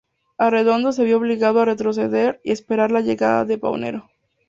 Arredondo se vio obligado a retroceder y esperar la llegada de Paunero.